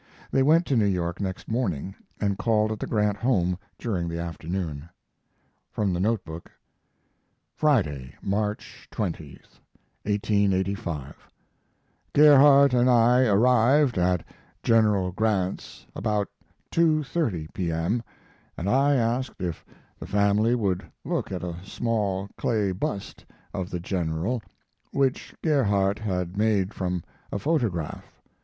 They went to New York next morning, and called at the Grant home during the afternoon. From the note book: Friday, March 20, 1885. Gerhardt and I arrived at General Grant's about 2.30 P.m. and I asked if the family would look at a small clay bust of the General which Gerhardt had made from a photograph.